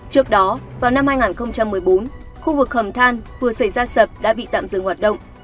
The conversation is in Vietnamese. trước đó vào năm hai nghìn một mươi bốn khu vực hầm than vừa xảy ra sập đã bị tạm dừng hoạt động